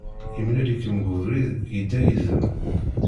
Yemlal-ikem-id deg ubrid, yedda yid-m.